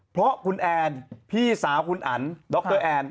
เพราะคุณแอนพี่สาวคุณอันดรแอน